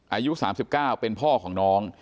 อายุ๓๙เป็นพ่อของน้อง